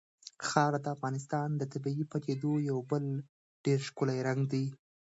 خاوره د افغانستان د طبیعي پدیدو یو بل ډېر ښکلی رنګ دی.